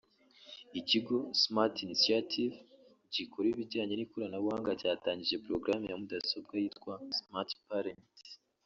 Ikigo “Smart Initiative”gikora ibijyanye n’ikoranabuhanga cyatangije porogaramu ya mudasobwa yitwa ’Smart Parent’